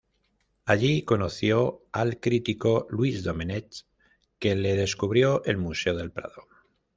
Alli conoció al crítico Luis Domenech, que le descubrió el Museo del Prado.